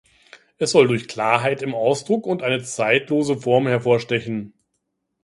Es soll durch Klarheit im Ausdruck und eine zeitlose Form hervorstechen.